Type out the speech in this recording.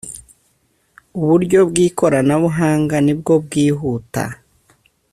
uburyo bw’ikoranabuhanga nibwo bwihuta